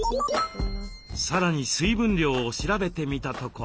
さらに水分量を調べてみたところ。